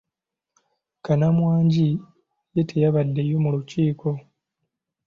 Kannamwangi ye teyabaddeyo mu lukiiko.